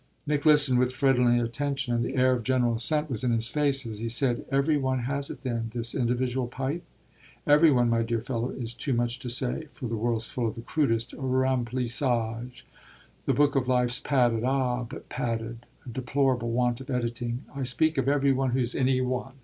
Nick listened with friendly attention and the air of general assent was in his face as he said: "Every one has it then, this individual pipe?" "'Every one,' my dear fellow, is too much to say, for the world's full of the crudest remplissage. The book of life's padded, ah but padded a deplorable want of editing! I speak of every one who's any one.